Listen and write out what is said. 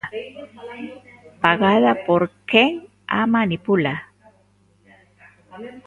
Pagada por quen a manipula.